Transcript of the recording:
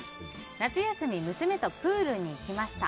夏休み、娘とプールに行きました。